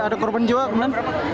ada korban jawa kemana